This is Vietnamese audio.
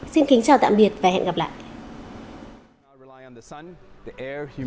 xin kính chào tạm biệt và hẹn gặp lại